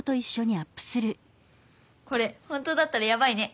これ本当だったらヤバいね。